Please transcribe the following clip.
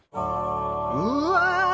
うわ！